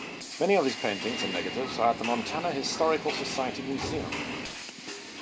Many of his paintings and negatives are at the Montana Historical Society Museum.